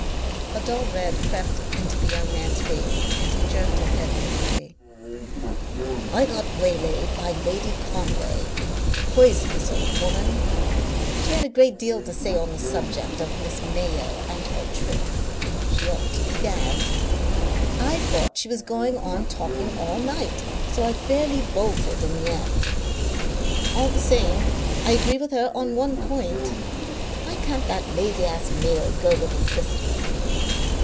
A dull red crept into the young man's face, and he jerked his head angrily. "I got waylaid by Lady Conway poisonous old woman! She had a great deal to say on the subject of Miss Mayo and her trip. She ought to be gagged. I thought she was going on talking all night, so I fairly bolted in the end. All the same, I agree with her on one point. Why can't that lazy ass Mayo go with his sister?"